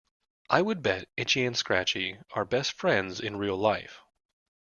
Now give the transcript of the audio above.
I would bet Itchy and Scratchy are best friends in real life.